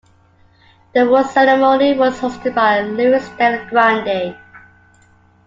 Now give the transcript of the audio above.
The awards ceremony was hosted by Louis Del Grande.